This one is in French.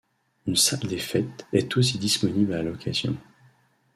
Une salle des fêtes est aussi disponible à la location.